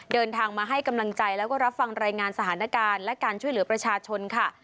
เดินทางมาให้กำลังใจแล้วก็รับฟังรายงานสถานการณ์และการช่วยเหลือประชาชนค่ะ